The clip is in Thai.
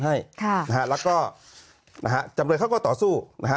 ให้ค่ะนะฮะแล้วก็นะฮะจำเลยเขาก็ต่อสู้นะฮะ